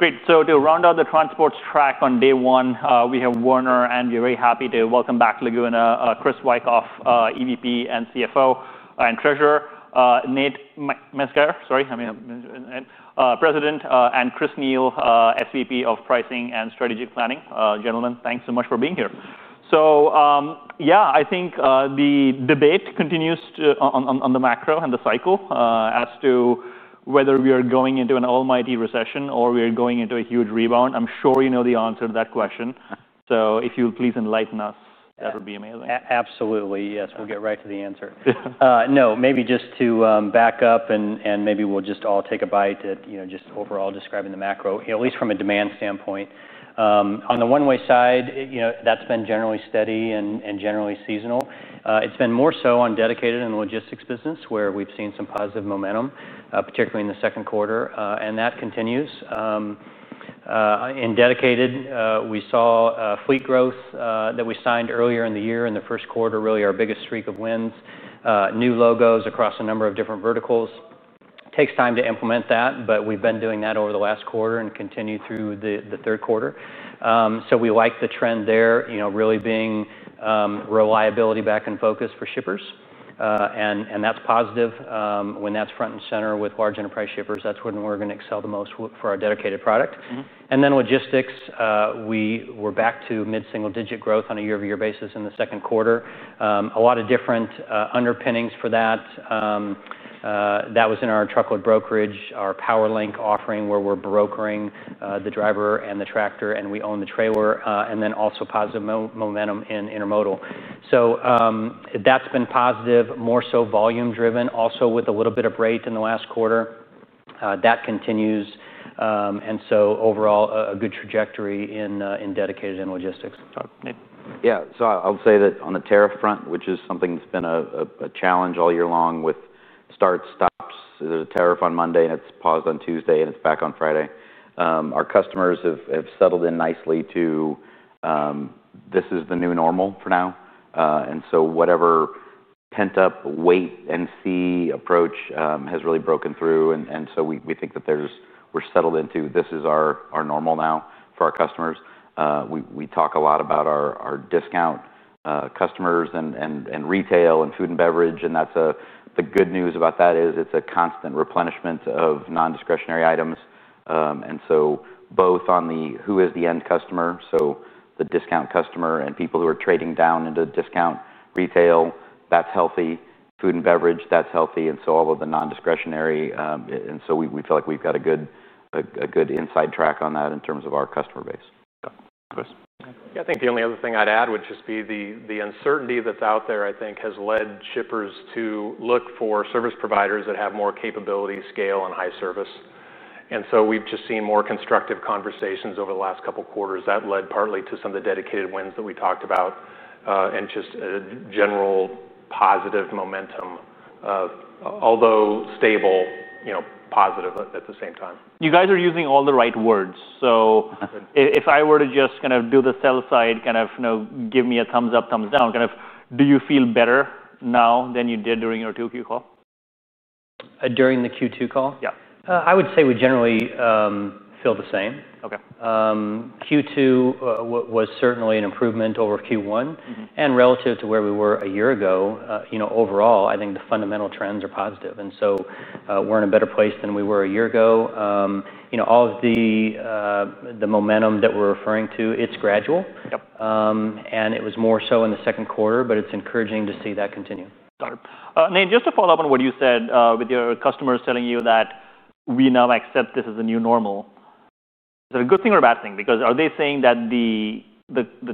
Great. To round out the transports track on day one, we have Werner, and we're very happy to welcome back to Laguna Chris Wikoff, EVP, and CFO and Treasurer, Nathan J. Meisgeier, President, and Chris C. Neil, SVP of Pricing and Strategic Planning. Gentlemen, thanks so much for being here. I think the debate continues on the macro and the cycle as to whether we are going into an almighty recession or we are going into a huge rebound. I'm sure you know the answer to that question. If you please enlighten us, that would be amazing. Absolutely. Yes, I'll get right to the answer. Maybe just to back up and we'll all take a bite at just overall describing the macro, at least from a demand standpoint. On the One-Way side, that's been generally steady and generally seasonal. It's been more so on the dedicated and logistics business where we've seen some positive momentum, particularly in the second quarter, and that continues. In Dedicated Truckload Services, we saw fleet growth that we signed earlier in the year in the first quarter, really our biggest streak of wins, new logos across a number of different verticals. It takes time to implement that, but we've been doing that over the last quarter and continue through the third quarter. We like the trend there, really being reliability back in focus for shippers, and that's positive. When that's front and center with large enterprise shippers, that's when we're going to excel the most for our dedicated product. In Logistics, we were back to mid-single-digit growth on a year-over-year basis in the second quarter. A lot of different underpinnings for that. That was in our Truckload Brokerage, our PowerLink offering where we're brokering the driver and the tractor, and we own the trailer, and then also positive momentum in intermodal. That's been positive, more so volume-driven, also with a little bit of rate in the last quarter. That continues. Overall, a good trajectory in Dedicated Truckload Services and Logistics. Yeah. I'll say that on the tariff front, which is something that's been a challenge all year long with start, stops, tariff on Monday, it's paused on Tuesday, and it's back on Friday. Our customers have settled in nicely to this is the new normal for now. Whatever pent-up wait and see approach has really broken through. We think that we're settled into this is our normal now for our customers. We talk a lot about our discount customers and retail and food and beverage, and the good news about that is it's a constant replenishment of non-discretionary items. Both on who is the end customer, so the discount customer and people who are trading down into discount retail, that's healthy. Food and beverage, that's healthy. All of the non-discretionary, we feel like we've got a good inside track on that in terms of our customer base. I think the only other thing I'd add, which is the uncertainty that's out there, has led shippers to look for service providers that have more capabilities, scale, and high service. We've just seen more constructive conversations over the last couple of quarters that led partly to some of the dedicated wins that we talked about and just a general positive momentum, although stable, positive at the same time. You guys are using all the right words. If I were to just kind of do the sell side, kind of give me a thumbs up, thumbs down, do you feel better now than you did during your Q2 call? During the Q2 call? Yeah. I would say we generally feel the same. Q2 was certainly an improvement over Q1, and relative to where we were a year ago, overall, I think the fundamental trends are positive. We're in a better place than we were a year ago. All of the momentum that we're referring to is gradual, and it was more so in the second quarter, but it's encouraging to see that continue. Got it. Neil, just to follow up on what you said with your customers telling you that we now accept this as a new normal, is that a good thing or a bad thing? Because are they saying that the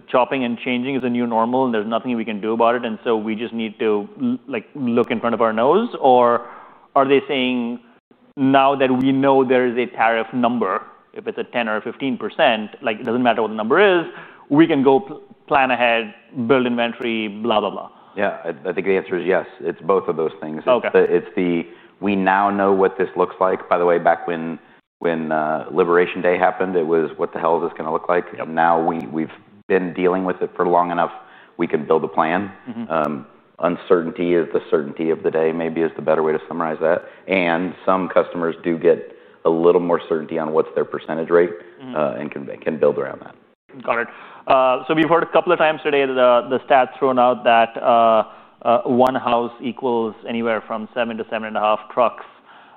chopping and changing is a new normal and there's nothing we can do about it, and we just need to look in front of our nose? Or are they saying now that we know there is a tariff number, if it's a 10% or 15%, it doesn't matter what the number is, we can go plan ahead, build inventory, blah, blah, blah? Yeah, I think the answer is yes. It's both of those things. It's the we now know what this looks like. By the way, back when Liberation Day happened, it was what the hell is this going to look like? Now we've been dealing with it for long enough, we can build a plan. Uncertainty is the certainty of the day, maybe is the better way to summarize that. Some customers do get a little more certainty on what's their percentage rate and can build around that. We have heard a couple of times today the stats thrown out that one house equals anywhere from seven to seven and a half trucks.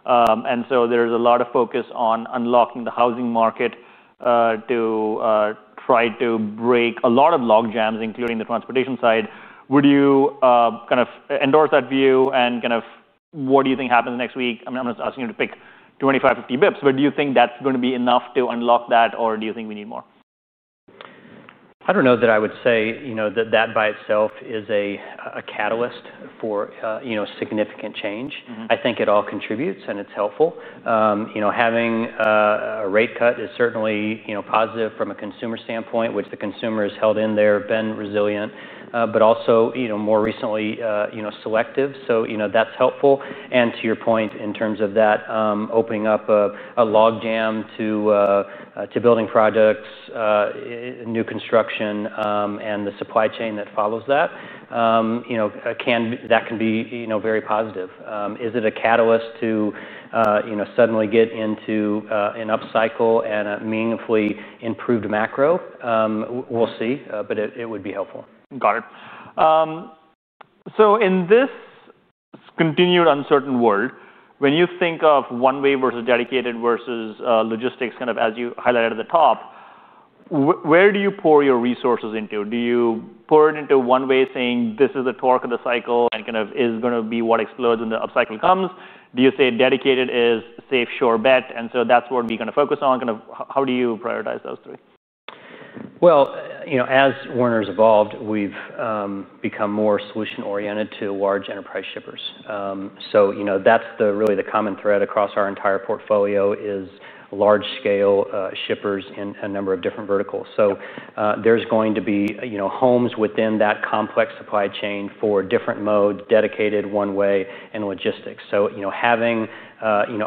There is a lot of focus on unlocking the housing market to try to break a lot of log jams, including the transportation side. Would you endorse that view? What do you think happens next week? I am just asking you to pick 25 basis points, 50 basis points but do you think that is going to be enough to unlock that, or do you think we need more? I don't know that I would say that by itself is a catalyst for significant change. I think it all contributes and it's helpful. Having a rate cut is certainly positive from a consumer standpoint, which the consumer has held in there, been resilient, but also more recently selective. That's helpful. To your point, in terms of that opening up a logjam to building projects, new construction, and the supply chain that follows that, that can be very positive. Is it a catalyst to suddenly get into an upcycle and a meaningfully improved macro? We'll see, but it would be helpful. Got it. In this continued uncertain world, when you think of One-Way versus Dedicated versus Logistics, kind of as you highlighted at the top, where do you pour your resources into? Do you pour it into One-Way saying this is the torque of the cycle and kind of is going to be what explodes when the upcycle comes? Do you say Dedicated is a safe, sure bet, and so that's what we're going to focus on? Kind of how do you prioritize those three? As Werner has evolved, we've become more solution-oriented to large enterprise shippers. That's really the common thread across our entire portfolio: large-scale shippers in a number of different verticals. There are going to be homes within that complex supply chain for different modes, Dedicated, One-Way, and Logistics. Having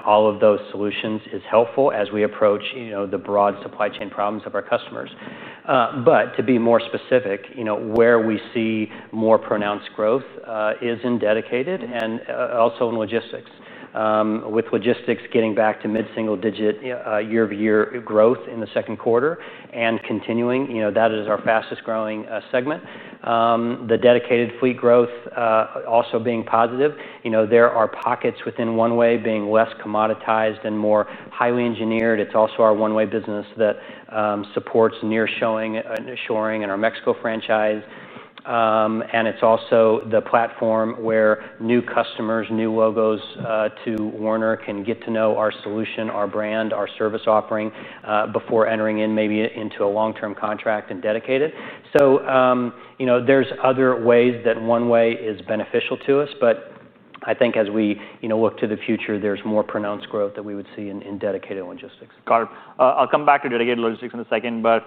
all of those solutions is helpful as we approach the broad supply chain problems of our customers. To be more specific, where we see more pronounced growth is in Dedicated and also in Logistics. With Logistics getting back to mid-single-digit year-over-year growth in the second quarter and continuing, that is our fastest growing segment. The Dedicated fleet growth is also positive. There are pockets within One-Way being less commoditized and more highly engineered. It's also our One-Way business that supports near shoring in our Mexico franchise. It's also the platform where new customers, new logos to Werner, can get to know our solution, our brand, our service offering before entering maybe into a long-term contract in Dedicated. There are other ways that One-Way is beneficial to us. I think as we look to the future, there's more pronounced growth that we would see in Dedicated and Logistics. Got it. I'll come back to Dedicated and Logistics in a second, but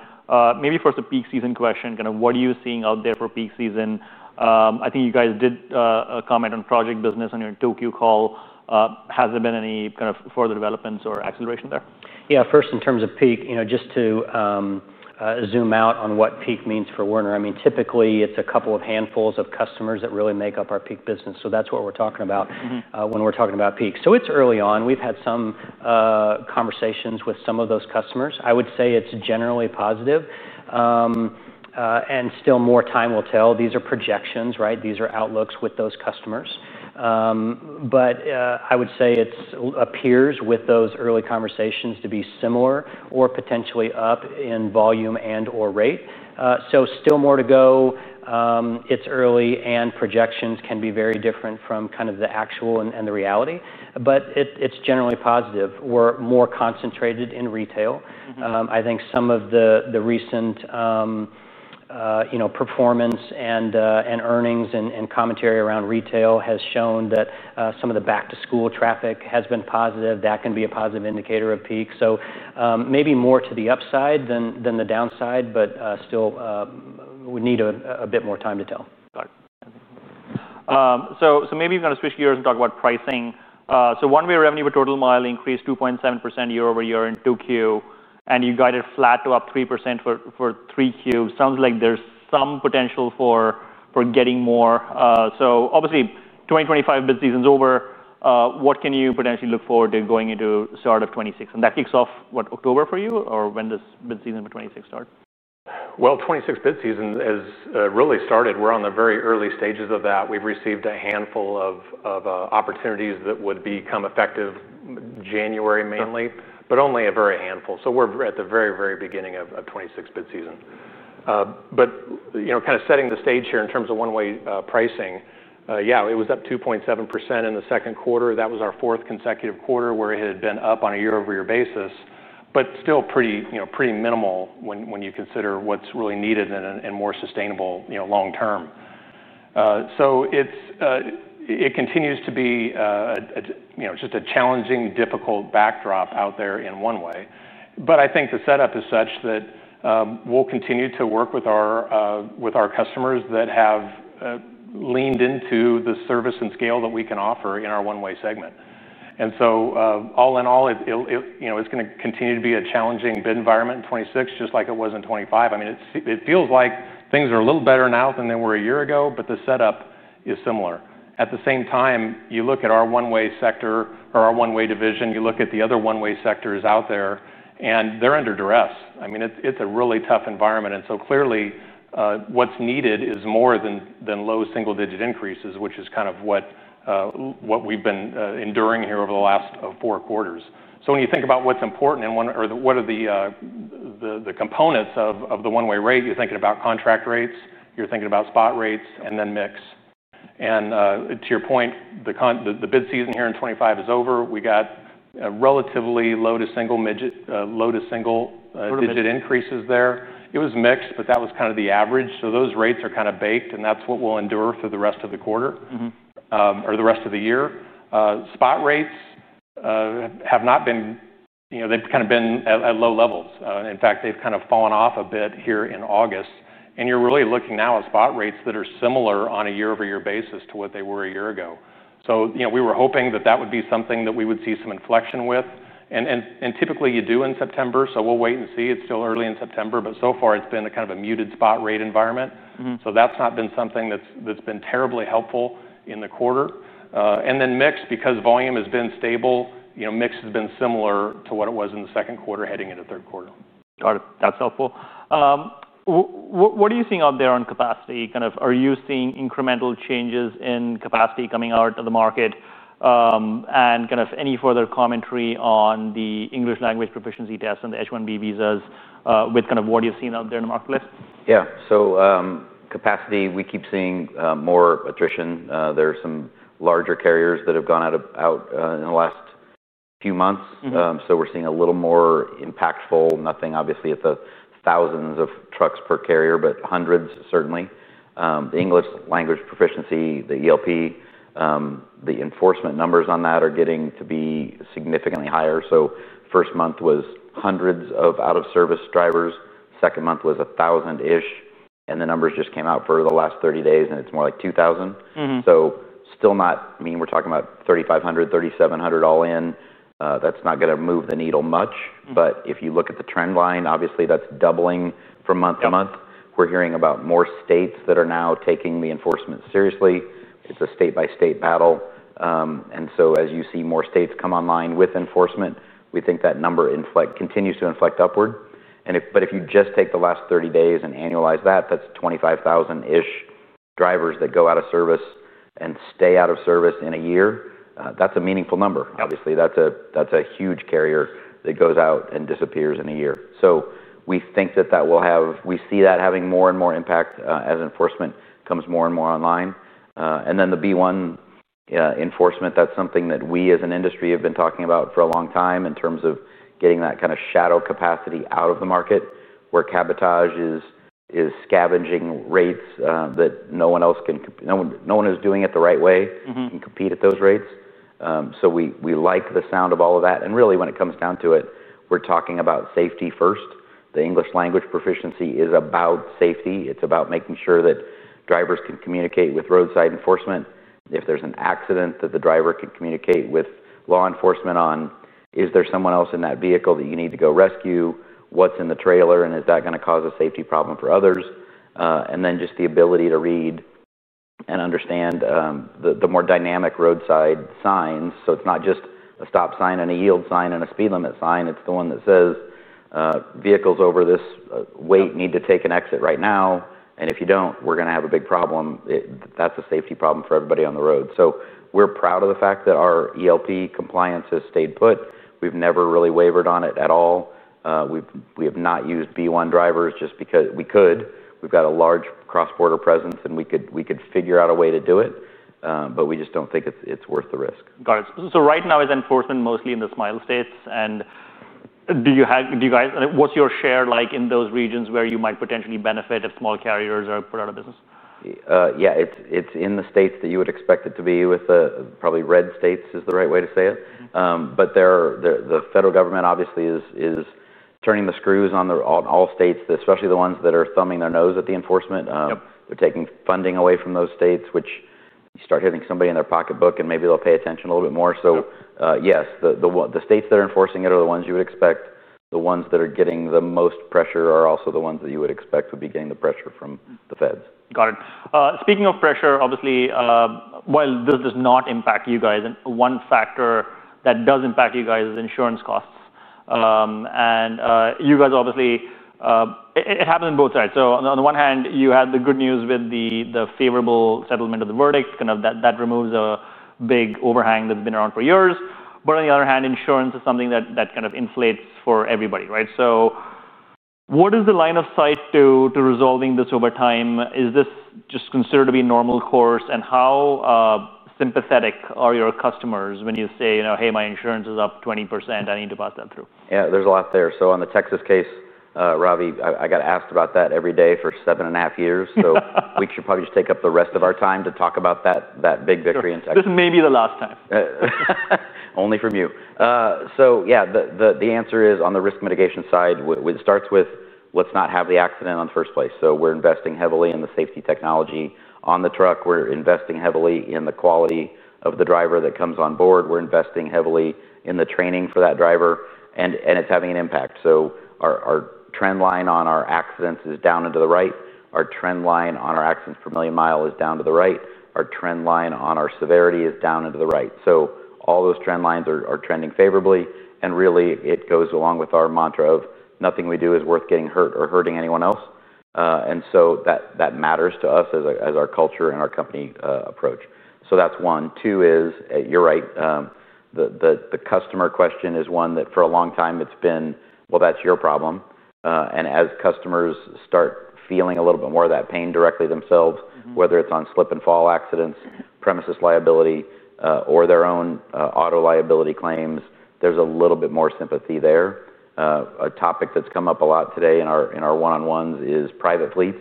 maybe first a peak season question. Kind of what are you seeing out there for peak season? I think you guys did comment on project business on your Q2 call. Has there been any kind of further developments or acceleration there? Yeah, first in terms of peak, just to zoom out on what peak means for Werner. Typically, it's a couple of handfuls of customers that really make up our peak business. That's what we're talking about when we're talking about peak. It's early on. We've had some conversations with some of those customers. I would say it's generally positive, and still more time will tell. These are projections, right? These are outlooks with those customers. I would say it appears with those early conversations to be similar or potentially up in volume and/or rate. Still more to go. It's early, and projections can be very different from the actual and the reality, but it's generally positive. We're more concentrated in retail. I think some of the recent performance and earnings and commentary around retail has shown that some of the back-to-school traffic has been positive. That can be a positive indicator of peak. Maybe more to the upside than the downside, but still we need a bit more time to tell. Got it. Maybe you're going to switch gears and talk about pricing. One-Way revenue per total mile increased 2.7% year-over-year, and you guided flat to up 3% for Q3. It sounds like there's some potential for getting more. Obviously, 2025 bid season's over. What can you potentially look forward to going into the start of 2026? That kicks off, what, October for you? When does bid season for 2026 start? The 2026 bid season has really started. We're on the very early stages of that. We've received a handful of opportunities that would become effective in January mainly, but only a very handful. We're at the very, very beginning of the 2026 bid season. Kind of setting the stage here in terms of One-Way pricing, it was up 2.7% in the second quarter. That was our fourth consecutive quarter where it had been up on a year-over-year basis, but still pretty minimal when you consider what's really needed in a more sustainable long term. It continues to be just a challenging, difficult backdrop out there in One-Way. I think the setup is such that we'll continue to work with our customers that have leaned into the service and scale that we can offer in our One-Way segment. All in all, it's going to continue to be a challenging bid environment in 2026, just like it was in 2025. It feels like things are a little better now than they were a year ago, but the setup is similar. At the same time, you look at our One-Way sector or our One-Way division, you look at the other One-Way sectors out there, and they're under duress. It's a really tough environment. Clearly, what's needed is more than low single-digit increases, which is kind of what we've been enduring here over the last four quarters. When you think about what's important and what are the components of the One-Way rate, you're thinking about contract rates, you're thinking about spot rates, and then mix. To your point, the bid season here in 2025 is over. We got relatively low to single-digit increases there. It was mixed, but that was kind of the average. Those rates are kind of baked, and that's what we'll endure for the rest of the quarter or the rest of the year. Spot rates have not been, they've kind of been at low levels. In fact, they've kind of fallen off a bit here in August. You're really looking now at spot rates that are similar on a year-over-year basis to what they were a year ago. We were hoping that that would be something that we would see some inflection with. Typically, you do in September. We'll wait and see. It's still early in September, but so far, it's been a kind of a muted spot rate environment. That's not been something that's been terribly helpful in the quarter. Then mix, because volume has been stable, mix has been similar to what it was in the second quarter heading into third quarter. Got it. That's helpful. What are you seeing out there on capacity? Are you seeing incremental changes in capacity coming out to the market? Any further commentary on the English language proficiency tests and the H1B visas with what you've seen out there in the marketplace? Yeah. Capacity, we keep seeing more attrition. There are some larger carriers that have gone out in the last few months. We're seeing a little more impactful, nothing obviously at the thousands of trucks per carrier, but hundreds certainly. The English language proficiency, the ELP, the enforcement numbers on that are getting to be significantly higher. First month was hundreds of out-of-service drivers. Second month was a thousand-ish. The numbers just came out for the last 30 days, and it's more like 2,000. Still not, I mean, we're talking about 3,500, 3,700 all in. That's not going to move the needle much. If you look at the trend line, obviously, that's doubling from month to month. We're hearing about more states that are now taking the enforcement seriously. It's a state-by-state battle. As you see more states come online with enforcement, we think that number continues to inflect upward. If you just take the last 30 days and annualize that, that's 25,000-ish drivers that go out of service and stay out of service in a year. That's a meaningful number. Obviously, that's a huge carrier that goes out and disappears in a year. We think that will have, we see that having more and more impact as enforcement comes more and more online. The B1 enforcement, that's something that we as an industry have been talking about for a long time in terms of getting that kind of shadow capacity out of the market, where cabotage is scavenging rates that no one else can, no one is doing it the right way and compete at those rates. We like the sound of all of that. Really, when it comes down to it, we're talking about safety first. The English language proficiency is about safety. It's about making sure that drivers can communicate with roadside enforcement. If there's an accident, that the driver can communicate with law enforcement on, is there someone else in that vehicle that you need to go rescue? What's in the trailer? Is that going to cause a safety problem for others? The ability to read and understand the more dynamic roadside signs is important. It's not just a stop sign and a yield sign and a speed limit sign. It's the one that says, vehicles over this weight need to take an exit right now. If you don't, we're going to have a big problem. That's a safety problem for everybody on the road. We're proud of the fact that our ELP compliance has stayed put. We've never really wavered on it at all. We have not used B1 drivers just because we could. We've got a large cross-border presence, and we could figure out a way to do it. We just don't think it's worth the risk. Got it. Right now, is enforcement mostly in the small states? Do you guys, what's your share like in those regions where you might potentially benefit if small carriers are put out of business? Yeah, it's in the states that you would expect it to be, with probably red states is the right way to say it. The federal government obviously is turning the screws on all states, especially the ones that are thumbing their nose at the enforcement. They're taking funding away from those states, which, you start hitting somebody in their pocketbook, and maybe they'll pay attention a little bit more. Yes, the states that are enforcing it are the ones you would expect. The ones that are getting the most pressure are also the ones that you would expect would be getting the pressure from the feds. Got it. Speaking of pressure, obviously, while this does not impact you guys, one factor that does impact you guys is insurance costs. You guys obviously, it happens on both sides. On the one hand, you had the good news with the favorable settlement of the verdict. That removes a big overhang that's been around for years. On the other hand, insurance is something that kind of inflates for everybody, right? What is the line of sight to resolving this over time? Is this just considered to be a normal course? How sympathetic are your customers when you say, you know, hey, my insurance is up 20%. I need to pass that through? Yeah, there's a lot there. On the Texas case, Ravi, I got asked about that every day for seven and a half years. We should probably just take up the rest of our time to talk about that big victory in Texas. This may be the last time. Only from you. Yeah, the answer is on the risk mitigation side, it starts with let's not have the accident in the first place. We're investing heavily in the safety technology on the truck. We're investing heavily in the quality of the driver that comes on board. We're investing heavily in the training for that driver, and it's having an impact. Our trend line on our accidents is down and to the right. Our trend line on our accidents per million mile is down to the right. Our trend line on our severity is down and to the right. All those trend lines are trending favorably. It goes along with our mantra of nothing we do is worth getting hurt or hurting anyone else. That matters to us as our culture and our company approach. That's one. Two is, you're right, the customer question is one that for a long time it's been, well, that's your problem. As customers start feeling a little bit more of that pain directly themselves, whether it's on slip and fall accidents, premises liability, or their own auto liability claims, there's a little bit more sympathy there. A topic that's come up a lot today in our one-on-ones is private fleets.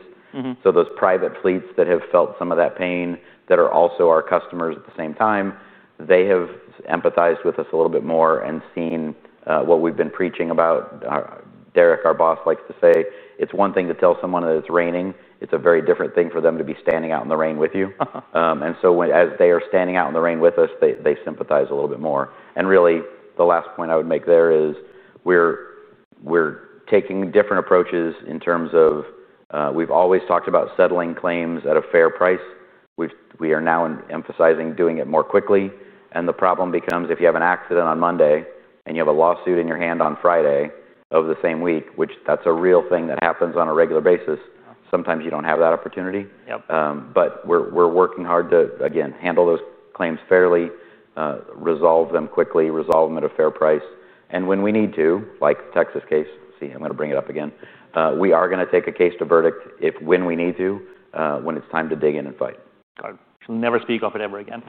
Those private fleets that have felt some of that pain, that are also our customers at the same time, they have empathized with us a little bit more and seen what we've been preaching about. Derek, our boss, likes to say, it's one thing to tell someone that it's raining. It's a very different thing for them to be standing out in the rain with you. As they are standing out in the rain with us, they sympathize a little bit more. The last point I would make there is we're taking different approaches in terms of we've always talked about settling claims at a fair price. We are now emphasizing doing it more quickly. The problem becomes if you have an accident on Monday and you have a lawsuit in your hand on Friday of the same week, which that's a real thing that happens on a regular basis, sometimes you don't have that opportunity. We're working hard to handle those claims fairly, resolve them quickly, resolve them at a fair price. When we need to, like Texas case, see, I'm going to bring it up again, we are going to take a case to verdict if we need to, when it's time to dig in and fight. Got it. Never speak up ever again.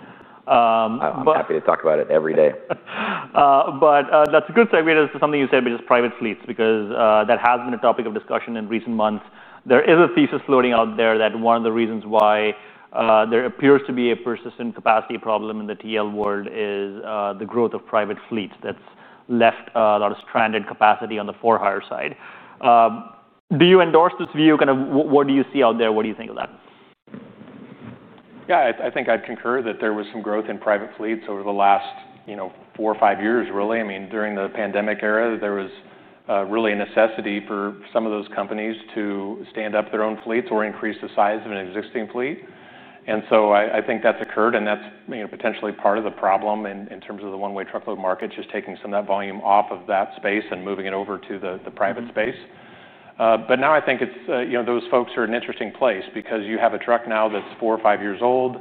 I'm happy to talk about it every day. That's good. I mean, it's something you said, it's private fleets because that has been a topic of discussion in recent months. There is a thesis floating out there that one of the reasons why there appears to be a persistent capacity problem in the TL world is the growth of private fleets that's left a lot of stranded capacity on the for-hire side. Do you endorse this view? What do you see out there? What do you think of that? Yeah, I think I'd concur that there was some growth in private fleets over the last four or five years, really. I mean, during the pandemic era, there was really a necessity for some of those companies to stand up their own fleets or increase the size of an existing fleet. I think that's occurred, and that's potentially part of the problem in terms of the One-Way Truckload market, just taking some of that volume off of that space and moving it over to the private space. Now I think those folks are in an interesting place because you have a truck now that's four or five years old.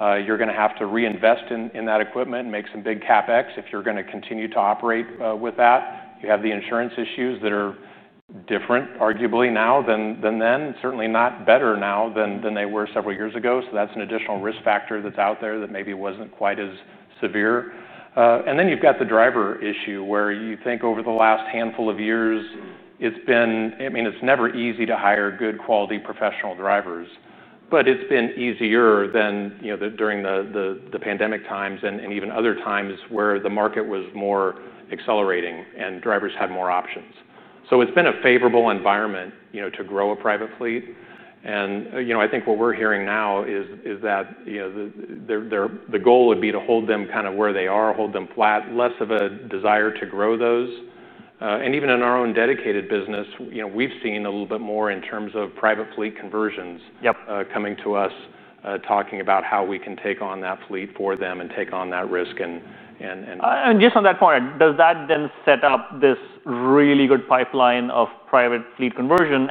You're going to have to reinvest in that equipment and make some big CapEx if you're going to continue to operate with that. You have the insurance issues that are different, arguably, now than then, certainly not better now than they were several years ago. That's an additional risk factor that's out there that maybe wasn't quite as severe. You've got the driver issue where you think over the last handful of years, it's been, I mean, it's never easy to hire good quality professional drivers, but it's been easier than during the pandemic times and even other times where the market was more accelerating and drivers had more options. It's been a favorable environment to grow a private fleet. I think what we're hearing now is that the goal would be to hold them kind of where they are, hold them flat, less of a desire to grow those. Even in our own Dedicated business, we've seen a little bit more in terms of private fleet conversions coming to us, talking about how we can take on that fleet for them and take on that risk. Does that then set up this really good pipeline of private fleet conversions?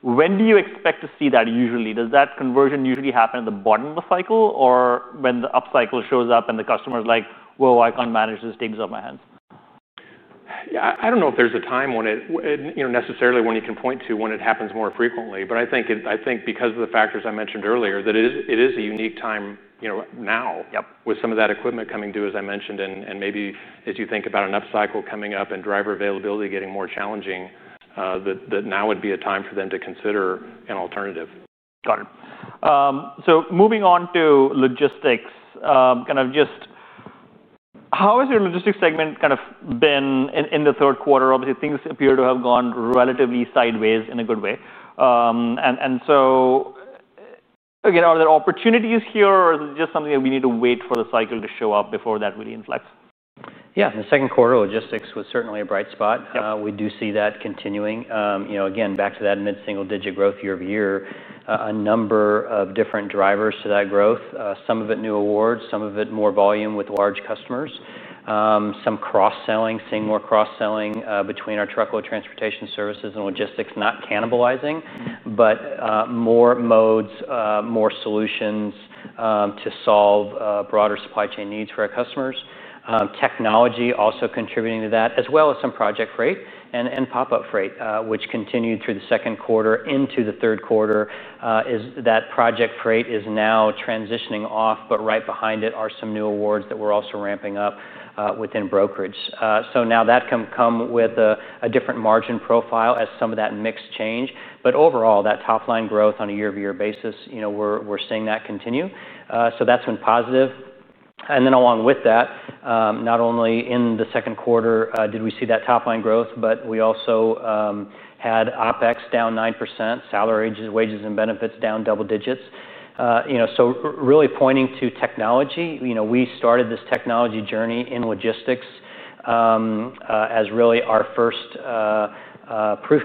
When do you expect to see that usually? Does that conversion usually happen at the bottom of the cycle or when the upcycle shows up and the customer's like, whoa, I can't manage this, take this off my hands? I don't know if there's a time when you can necessarily point to when it happens more frequently. I think because of the factors I mentioned earlier, it is a unique time now with some of that equipment coming to, as I mentioned, and maybe as you think about an upcycle coming up and driver availability getting more challenging, now would be a time for them to consider an alternative. Got it. Moving on to Logistics, how has your Logistics segment been in the third quarter? Obviously, things appear to have gone relatively sideways in a good way. Are there opportunities here, or is it just something that we need to wait for the cycle to show up before that really inflects? Yeah, the second quarter Logistics was certainly a bright spot. We do see that continuing. Again, back to that mid-single-digit growth year-over-year, a number of different drivers to that growth. Some of it new awards, some of it more volume with large customers. Some cross-selling, seeing more cross-selling between our Truckload Transportation Services and Logistics, not cannibalizing, but more modes, more solutions to solve broader supply chain needs for our customers. Technology also contributing to that, as well as some project freight and pop-up freight, which continued through the second quarter into the third quarter. That project freight is now transitioning off, right behind it are some new awards that we're also ramping up within Brokerage. That can come with a different margin profile as some of that mix change. Overall, that top line growth on a year-over-year basis, we're seeing that continue. That's been positive. Along with that, not only in the second quarter did we see that top line growth, we also had OpEx down 9%, salaries, wages, and benefits down double digits. Really pointing to technology, we started this technology journey in Logistics as really our first proof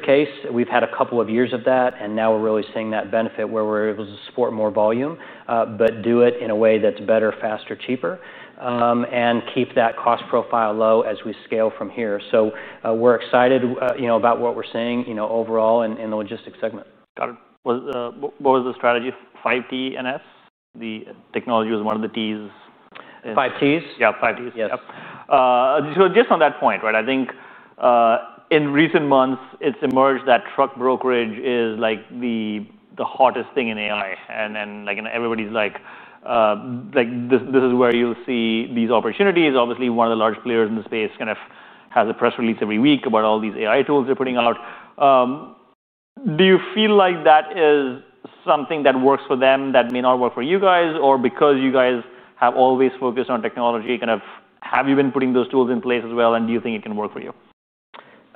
case. We've had a couple of years of that, and now we're really seeing that benefit where we're able to support more volume, but do it in a way that's better, faster, cheaper, and keep that cost profile low as we scale from here. We're excited about what we're seeing overall in the Logistics segment. Got it. What was the strategy? DD and S? The technology was one of the Ts. Five Ts. Yeah, five Ts. Just on that point, I think in recent months, it's emerged that Truckload Brokerage is like the hottest thing in AI. Everybody's like, this is where you'll see these opportunities. Obviously, one of the large players in the space kind of has a press release every week about all these AI tools they're putting out. Do you feel like that is something that works for them that may not work for you guys? Because you guys have always focused on technology, have you been putting those tools in place as well? Do you think it can work for you?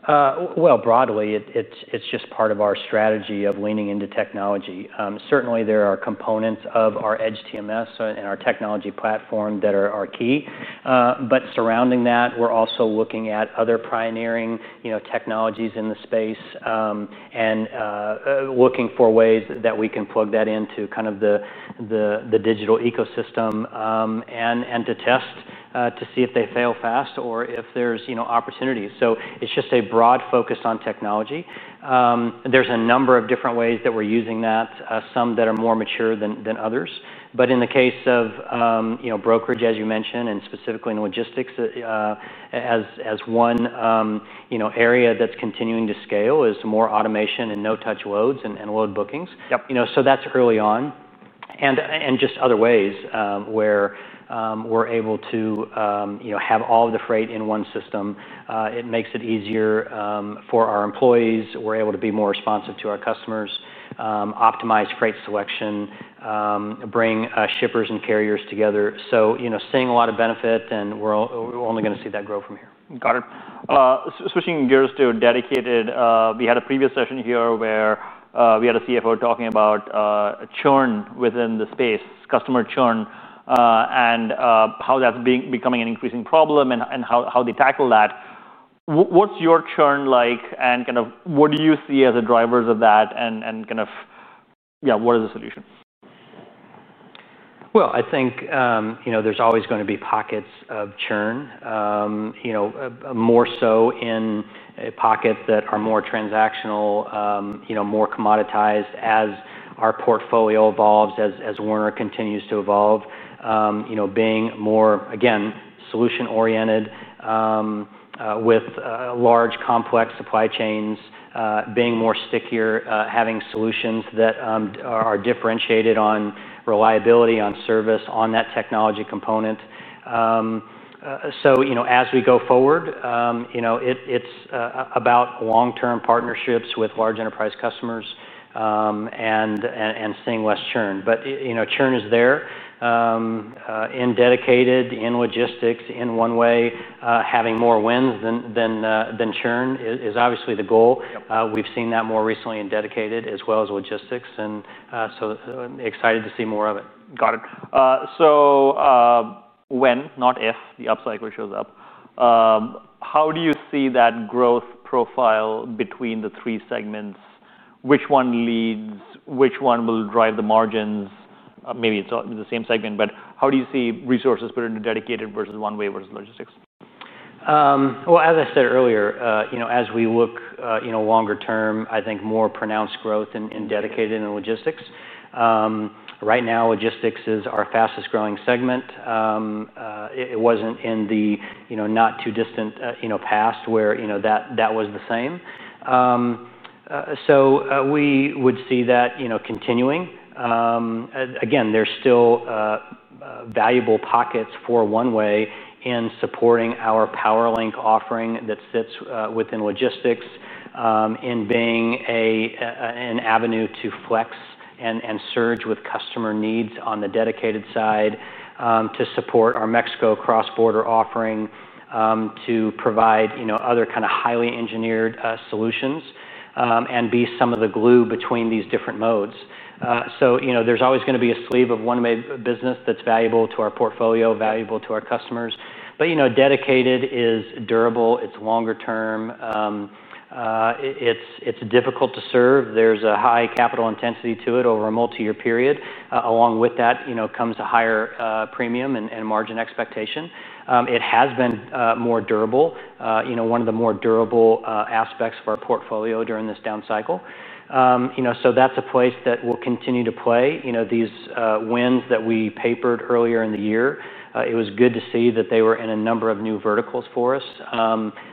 It is just part of our strategy of leaning into technology. Certainly, there are components of our EDGE TMS and our technology platform that are key. Surrounding that, we're also looking at other pioneering technologies in the space and looking for ways that we can plug that into the digital ecosystem and to test to see if they fail fast or if there's opportunities. It is just a broad focus on technology. There are a number of different ways that we're using that, some that are more mature than others. In the case of Brokerage, as you mentioned, and specifically in Logistics, one area that's continuing to scale is more automation and no-touch loads and load bookings. That is early on. There are other ways where we're able to have all of the freight in one system. It makes it easier for our employees. We're able to be more responsive to our customers, optimize freight selection, and bring shippers and carriers together. We are seeing a lot of benefit, and we're only going to see that grow from here. Got it. Switching gears to Dedicated, we had a previous session here where we had a CFO talking about churn within the space, customer churn, and how that's becoming an increasing problem and how they tackle that. What's your churn like? What do you see as the drivers of that? What is the solution? I think there's always going to be pockets of churn, more so in a pocket that are more transactional, more commoditized as our portfolio evolves, as Werner continues to evolve, being more, again, solution-oriented with large, complex supply chains, being more stickier, having solutions that are differentiated on reliability, on service, on that technology component. As we go forward, it's about long-term partnerships with large enterprise customers and seeing less churn. Churn is there. In Dedicated, in Logistics, in One-Way, having more wins than churn is obviously the goal. We've seen that more recently in Dedicated as well as Logistics. Excited to see more of it. Got it. When, not if, the upcycle shows up, how do you see that growth profile between the three segments? Which one leads? Which one will drive the margins? Maybe it's the same segment, but how do you see resources put into Dedicated versus One-Way versus Logistics? As I said earlier, as we look longer term, I think more pronounced growth in Dedicated and Logistics. Right now, Logistics is our fastest growing segment. It wasn't in the not-too-distant past where that was the same. We would see that continuing. Again, there's still valuable pockets for One-Way in supporting our PowerLink offering that sits within Logistics, in being an avenue to flex and surge with customer needs on the dedicated side to support our Mexico cross-border offering, to provide other kind of highly engineered solutions, and be some of the glue between these different modes. There's always going to be a sleeve of One-Way business that's valuable to our portfolio, valuable to our customers. Dedicated is durable. It's longer term. It's difficult to serve. There's a high capital intensity to it over a multi-year period. Along with that comes a higher premium and margin expectation. It has been more durable, one of the more durable aspects of our portfolio during this down cycle. That's a place that will continue to play. These wins that we papered earlier in the year, it was good to see that they were in a number of new verticals for us.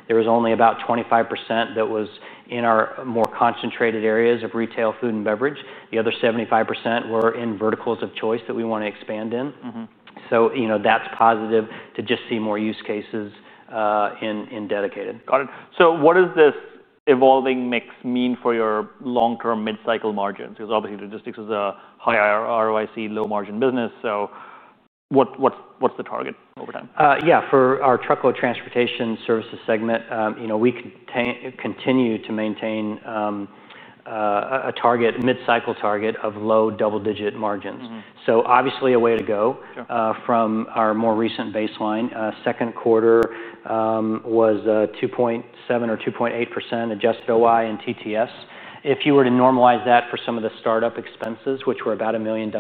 There was only about 25% that was in our more concentrated areas of retail, food, and beverage. The other 75% were in verticals of choice that we want to expand in. That's positive to just see more use cases in Dedicated. Got it. What does this evolving mix mean for your long-term mid-cycle margins? Obviously, Logistics is a high ROIC, low margin business. What's the target over time? Yeah, for our Truckload Transportation Services segment, we can continue to maintain a target, mid-cycle target of low double-digit margins. Obviously, a way to go from our more recent baseline. Second quarter was 2.7% or 2.8% adjusted OI in TTS. If you were to normalize that for some of the startup expenses, which were about $1 million,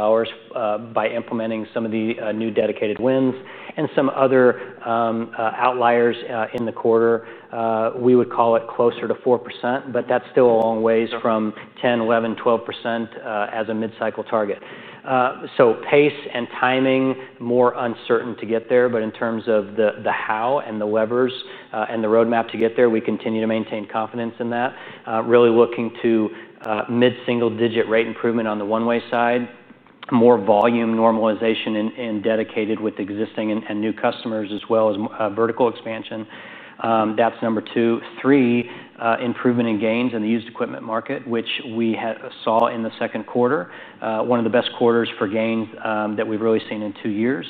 by implementing some of the new Dedicated wins and some other outliers in the quarter, we would call it closer to 4%. That's still a long ways from 10%, 11%, 12% as a mid-cycle target. Pace and timing, more uncertain to get there. In terms of the how and the levers and the roadmap to get there, we continue to maintain confidence in that. Really looking to mid-single-digit rate improvement on the One-Way side, more volume normalization in Dedicated with existing and new customers, as well as vertical expansion. That's number two. Three, improvement in gains in the used equipment market, which we saw in the second quarter, one of the best quarters for gains that we've really seen in two years.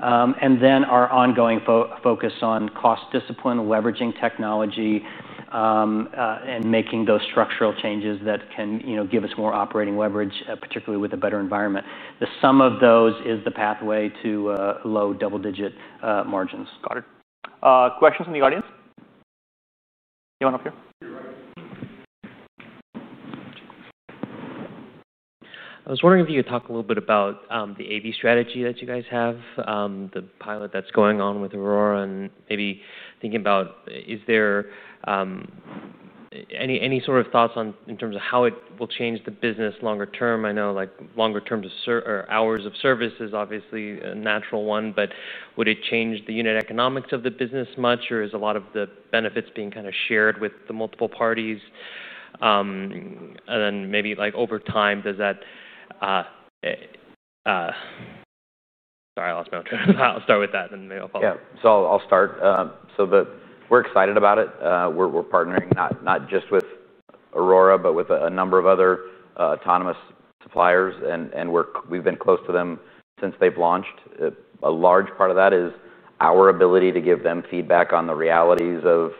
Then our ongoing focus on cost discipline, leveraging technology, and making those structural changes that can give us more operating leverage, particularly with a better environment. The sum of those is the pathway to low double-digit margins. Got it. Questions from the audience? Going up here. I was wondering if you could talk a little bit about the AV strategy that you guys have, the pilot that's going on with Aurora, and maybe thinking about, is there any sort of thoughts in terms of how it will change the business longer term? I know longer term, hours of service is obviously a natural one, but would it change the unit economics of the business much, or is a lot of the benefits being kind of shared with the multiple parties? Maybe over time, does that—sorry, I lost my own train of thought. I'll start with that, and then maybe I'll follow. Yeah, I'll start. We're excited about it. We're partnering not just with Aurora, but with a number of other autonomous suppliers, and we've been close to them since they've launched. A large part of that is our ability to give them feedback on the realities of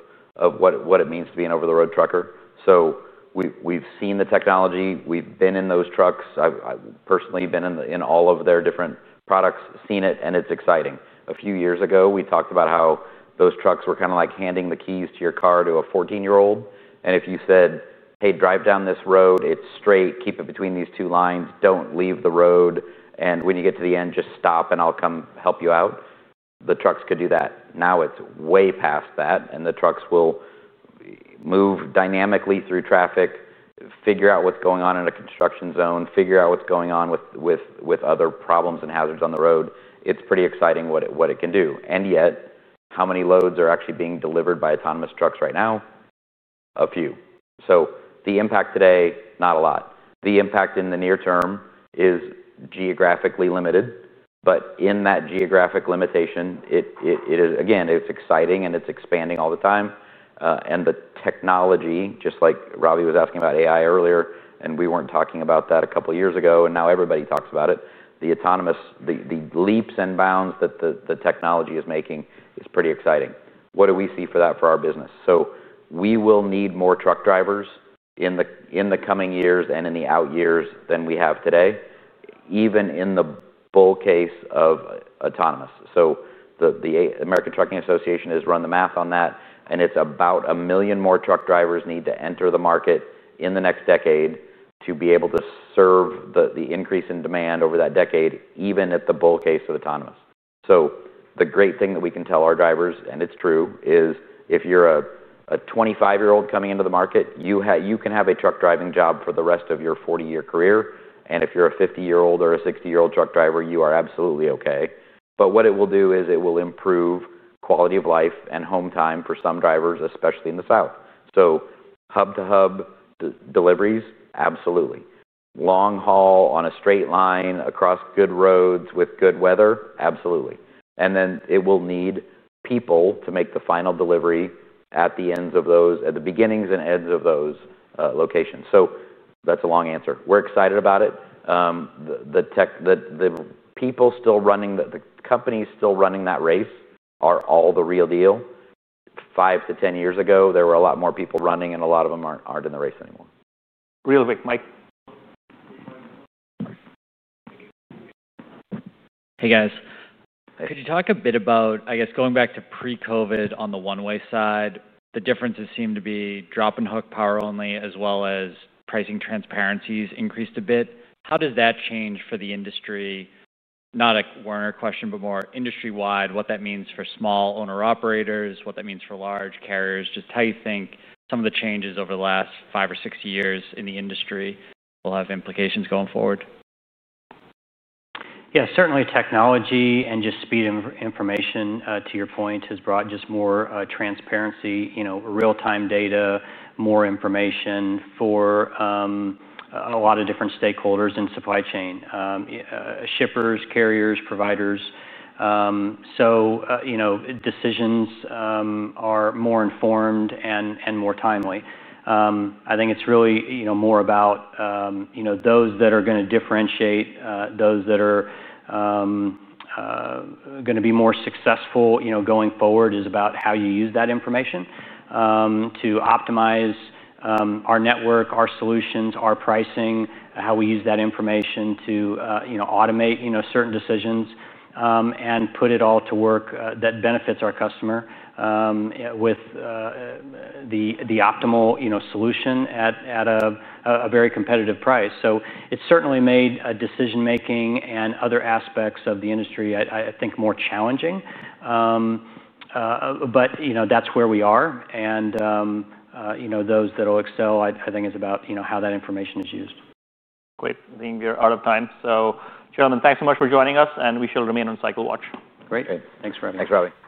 what it means to be an over-the-road trucker. We've seen the technology. We've been in those trucks. I've personally been in all of their different products, seen it, and it's exciting. A few years ago, we talked about how those trucks were kind of like handing the keys to your car to a 14-year-old. If you said, "Hey, drive down this road, it's straight, keep it between these two lines, don't leave the road, and when you get to the end, just stop and I'll come help you out," the trucks could do that. Now it's way past that, and the trucks will move dynamically through traffic, figure out what's going on in a construction zone, figure out what's going on with other problems and hazards on the road. It's pretty exciting what it can do. Yet, how many loads are actually being delivered by autonomous trucks right now? A few. The impact today, not a lot. The impact in the near term is geographically limited. In that geographic limitation, it's exciting, and it's expanding all the time. The technology, just like Ravi was asking about AI earlier, and we weren't talking about that a couple of years ago, and now everybody talks about it, the autonomous, the leaps and bounds that the technology is making is pretty exciting. What do we see for that for our business? We will need more truck drivers in the coming years and in the out years than we have today, even in the bull case of autonomous. The American Trucking Association has run the math on that, and it's about a million more truck drivers need to enter the market in the next decade to be able to serve the increase in demand over that decade, even at the bull case of autonomous. The great thing that we can tell our drivers, and it's true, is if you're a 25-year-old coming into the market, you can have a truck driving job for the rest of your 40-year career. If you're a 50-year-old or a 60-year-old truck driver, you are absolutely okay. What it will do is it will improve quality of life and home time for some drivers, especially in the South. Hub-to-hub deliveries, absolutely. Long haul on a straight line across good roads with good weather, absolutely. It will need people to make the final delivery at the beginnings and ends of those locations. That's a long answer. We're excited about it. The people still running, the companies still running that race are all the real deal. Five to ten years ago, there were a lot more people running, and a lot of them aren't in the race anymore. Really quick, Mike. Hey guys, could you talk a bit about, I guess, going back to pre-COVID on the One-Way side, the differences seem to be drop and hook, power only, as well as pricing transparency has increased a bit. How does that change for the industry? Not a One-Way question, but more industry-wide, what that means for small owner-operators, what that means for large carriers, just how you think some of the changes over the last five or six years in the industry will have implications going forward? Yeah, certainly technology and just speed of information, to your point, has brought more transparency, real-time data, more information for a lot of different stakeholders in supply chain, shippers, carriers, providers. Decisions are more informed and more timely. I think it's really more about those that are going to differentiate, those that are going to be more successful going forward, is about how you use that information to optimize our network, our solutions, our pricing, how we use that information to automate certain decisions and put it all to work that benefits our customer with the optimal solution at a very competitive price. It's certainly made decision-making and other aspects of the industry, I think, more challenging. That's where we are. Those that will excel, I think, is about how that information is used. Great. We're out of time. Gentlemen, thanks so much for joining us, and we shall remain on cycle watch. Great. Thanks for having us. Thanks for having us.